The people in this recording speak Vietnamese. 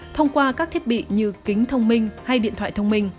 thông qua các thiết bị như kính thông minh hay điện thoại thông minh